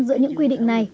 giữa những quy định này